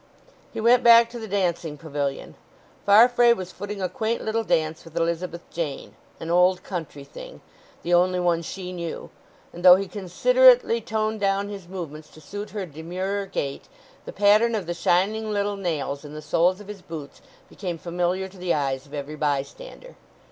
He went back to the dancing pavilion. Farfrae was footing a quaint little dance with Elizabeth Jane—an old country thing, the only one she knew, and though he considerately toned down his movements to suit her demurer gait, the pattern of the shining little nails in the soles of his boots became familiar to the eyes of every bystander.